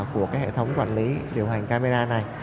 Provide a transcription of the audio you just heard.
của hệ thống quản lý điều hành camera này